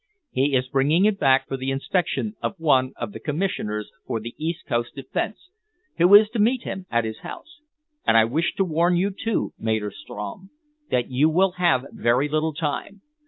"He is bringing it back for the inspection of one of the commissioners for the east coast defense, who is to meet him at his house. And I wish to warn you, too, Maderstrom, that you will have very little time.